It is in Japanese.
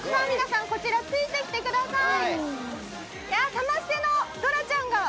皆さん、ついてきてください！